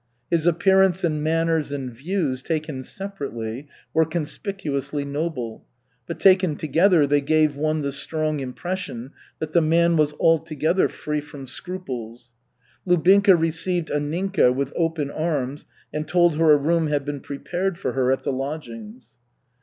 His appearance and manners and views taken separately were conspicuously noble, but taken together they gave one the strong impression that the man was altogether free from scruples. Lubinka received Anninka with open arms and told her a room had been prepared for her at the lodgings.